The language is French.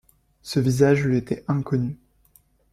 Ce visage lui était inconnu.